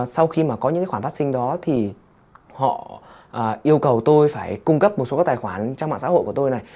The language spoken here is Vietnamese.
sau khi mà có những cái khoản phát sinh đó thì họ yêu cầu tôi phải cung cấp một số các tài khoản trang mạng xã hội của tôi này